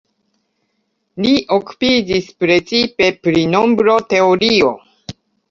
Li okupiĝis precipe pri nombroteorio.